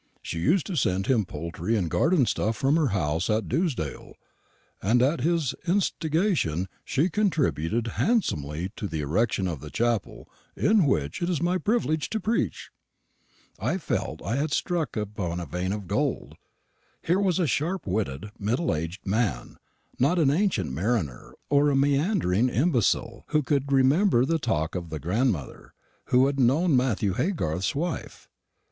She used to send him poultry and garden stuff from her house at Dewsdale, and at his instigation she contributed handsomely to the erection of the chapel in which it is my privilege to preach." I felt that I had struck upon a vein of gold. Here was a sharp witted, middle aged man not an ancient mariner, or a meandering imbecile who could remember the talk of a grandmother who had known Matthew Haygarth's wife.